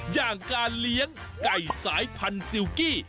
อย่างการเลี้ยงไก่สายพันธุ์ซิลกี้